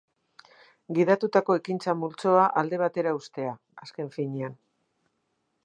Gidatutako ekintza multzoa alde batera uztea, azken finean.